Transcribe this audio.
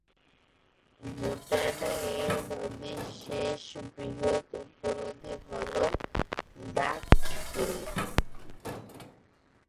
ভুটানে এই নদীর শেষ বৃহৎ উপনদী হল দাগ ছু।